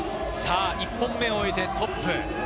１本目を終えてトップ。